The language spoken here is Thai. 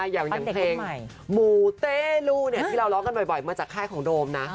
อย่างเพลงหมูเต้ลูที่เราร้องกันบ่อยมาจากค่ายของโดมนะ